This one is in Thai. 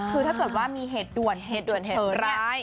คือถ้าเกิดว่ามีเหตุด่วนเหตุด่วนเหตุร้าย